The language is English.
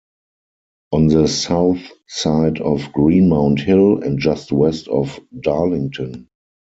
On the south side of Greenmount Hill, and just west of Darlington.